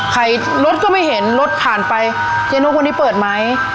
รถก็ไม่เห็นรถผ่านไปเจ๊นุกวันนี้เปิดไหม